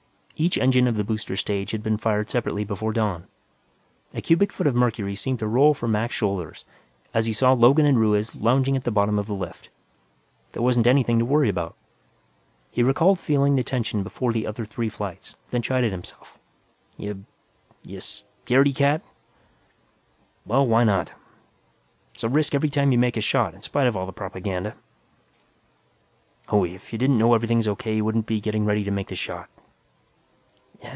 Each engine of the booster stage had been fired separately, before dawn. A cubic foot of mercury seemed to roll from Mac's shoulders as he saw Logan and Ruiz lounging at the bottom of the lift; there wasn't anything to worry about. He recalled feeling the tension before the other three flights, then chided himself. _Ya, ya, scared y cat. Well, why not? It's a helluva risk every time you make a shot, in spite of all the propaganda. Hooey; if you didn't know everything's O.K., you wouldn't be getting ready to make the shot.